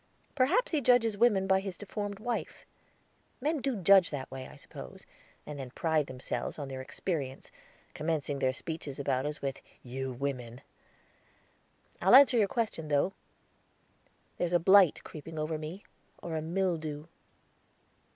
Perhaps he judges women by his deformed wife. Men do judge that way, I suppose, and then pride themselves on their experience, commencing their speeches about us, with 'you women.' I'll answer your question, though, there's a blight creeping over me, or a mildew."